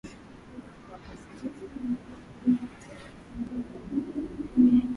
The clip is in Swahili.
wakasadiki ya kwamba wewe ndiwe uliyenituma